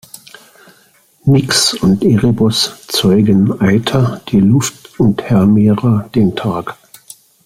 Nyx und Erebos zeugen Aither, die Luft, und Hemera, den Tag.